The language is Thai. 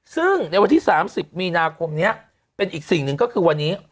ซึ่งในวันที่๓๐มีนาคมนี้เป็นอีกสิ่งหนึ่งก็คือวันนี้